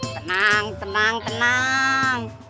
tenang tenang tenang